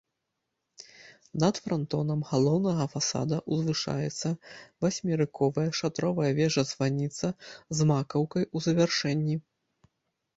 Над франтонам галоўнага фасада ўзвышаецца васьмерыковая шатровая вежа-званіца з макаўкай у завяршэнні.